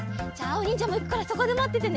おにんじゃもいくからそこでまっててね！